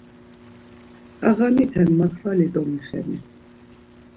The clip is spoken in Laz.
T̆ağaniten makvali domixeni.